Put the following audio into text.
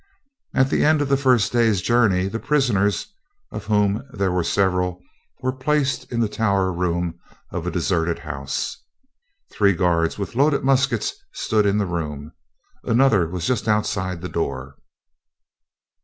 At the end of the first day's journey the prisoners, of whom there were several, were placed in the tower room of a deserted house. Three guards with loaded muskets stood in the room, another was just outside the door.